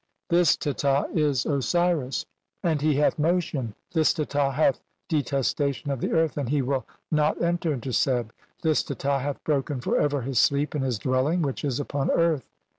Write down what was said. (256) "This Teta. is Osiris and he hath motion ; "this Teta. hath detestation of the earth and he will "not enter into Seb. This Teta hath broken for ever "his sleep in his dwelling which is upon earth.